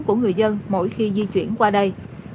của người dân mỗi khi di chuyển qua đây